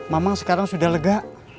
mamang sekarang sudah lega